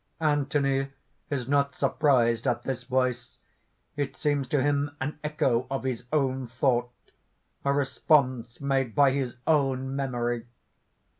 (_Anthony is not surprised at this voice. It seems to him an echo of his own thought a response made by his own memory.